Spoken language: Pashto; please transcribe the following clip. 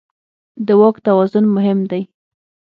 د واک توازن مهم دی.